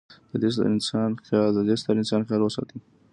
د د ې ستر انسان خیال وساتي.